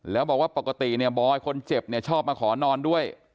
แล้วบอกว่าปกติเนี่ยบอยคนเจ็บเนี่ยชอบมาขอนอนด้วย